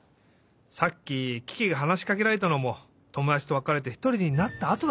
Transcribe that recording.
さっきキキがはなしかけられたのもともだちとわかれてひとりになったあとだったし。